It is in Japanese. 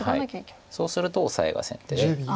そうするとオサエが先手で。